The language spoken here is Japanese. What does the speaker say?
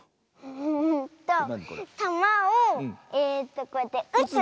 うんとたまをえとこうやってうつ。